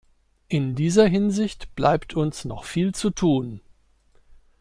In dieser Hinsicht bleibt uns noch viel zu tun.